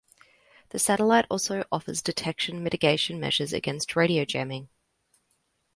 The satellites also offers detection mitigation measures against radio jamming.